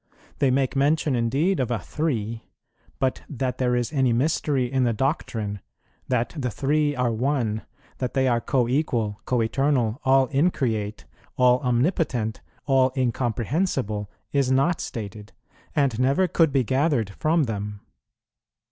They make mention indeed of a Three; but that there is any mystery in the doctrine, that the Three are One, that They are coequal, coeternal, all increate, all omnipotent, all incomprehensible, is not stated, and never could be gathered from them.